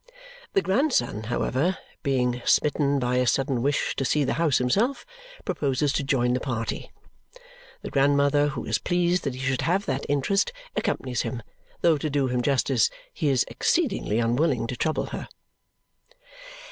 The grandson, however, being smitten by a sudden wish to see the house himself, proposes to join the party. The grandmother, who is pleased that he should have that interest, accompanies him though to do him justice, he is exceedingly unwilling to trouble her.